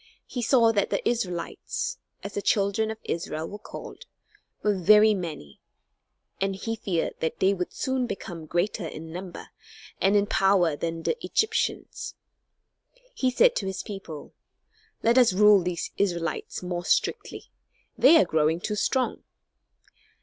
He saw that the Israelites (as the children of Israel were called) were very many, and he feared that they would soon become greater in number and in power than the Egyptians. He said to his people: "Let us rule these Israelites more strictly. They are growing too strong."